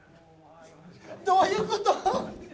どういうこと？